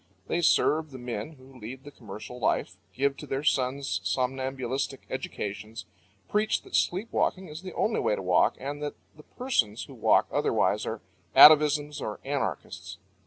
They serve the men who lead the commercial life, give to their sons somnambulistic educations, preach that sleep walking is the only way to walk, and that the persons who walk otherwise are atavisms or anarchists.